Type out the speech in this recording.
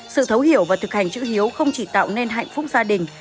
sự thấu hiểu và thực hành chữ hiếu không chỉ tạo nên hạnh phúc gia đình